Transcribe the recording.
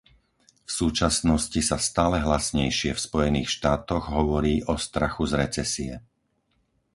V súčasnosti sa stále hlasnejšie v Spojených štátoch hovorí o strachu z recesie.